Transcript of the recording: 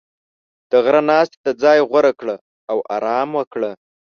• د غره ناستې ته ځای غوره کړه او آرام وکړه.